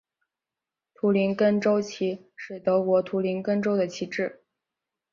图林根州旗是德国图林根州的旗帜。